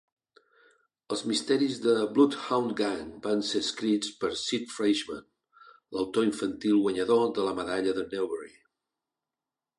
Els misteris del "Bloodhound Gang" van ser escrits per Sid Fleischman, l'autor infantil guanyador de la medalla de Newbery.